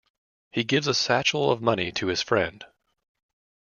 He gives a satchel of money to his friend.